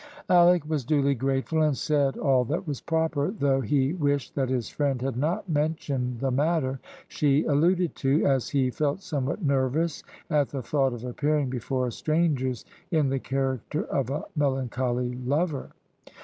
Alick was duly grateful, and said all that was proper, though he wished that his friend had not mentioned the matter she alluded to, as he felt somewhat nervous at the thought of appearing before strangers in the character of a melancholy lover.